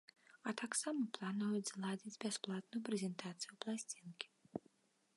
А таксама плануюць зладзіць бясплатную прэзентацыю пласцінкі.